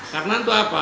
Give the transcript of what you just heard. karena itu apa